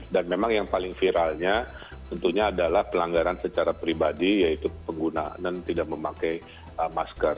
dan memang yang paling viralnya tentunya adalah pelanggaran secara pribadi yaitu pengguna dan tidak memakai masker